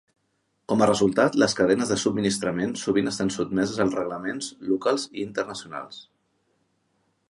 Com a resultat, les cadenes de subministrament sovint estan sotmeses al reglaments locals i internacionals.